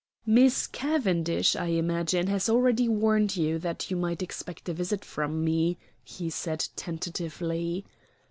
"Miss Cavendish, I imagine, has already warned you that you might expect a visit from me," he said tentatively.